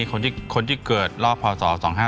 คนที่เกิดรอบพศ๒๕๖